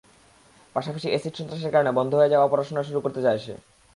পাশাপাশি অ্যাসিড-সন্ত্রাসের কারণে বন্ধ হয়ে যাওয়া পড়াশোনা শুরু করতে চায় সে।